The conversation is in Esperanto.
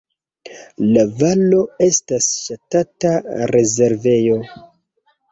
La valo estas ŝtata rezervejo.